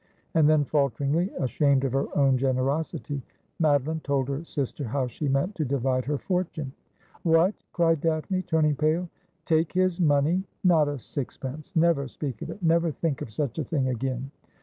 And then, falteringly, ashamed of her own generosity, Madeline told her sister how she meant to divide her fortune. ' What !' cried Daphne, turning pale ;' take his money ? Not a sixpence. Never speak of it — never think of such a thing again.'